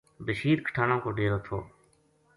بشیر کھٹانہ کو ڈٰیرو تھو۔